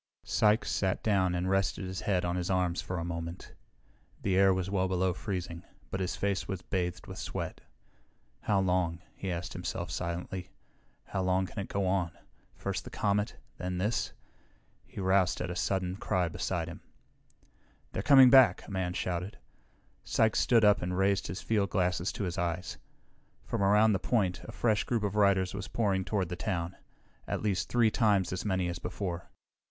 Sykes sat down and rested his head on his arms for a moment. The air was well below freezing, but his face was bathed with sweat. How long? he asked himself silently. How long can it go on? First the comet, then this. He roused at a sudden cry beside him. "They're coming back," a man shouted. Sykes stood up and raised his fieldglasses to his eyes. From around the point a fresh group of riders was pouring toward the town. At least three times as many as before.